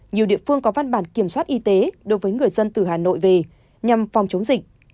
nhiều địa phương có văn bản kiểm soát y tế đối với người dân từ hà nội về nhằm phòng chống dịch